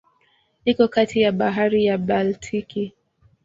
Iko kati ya Bahari ya Baltiki.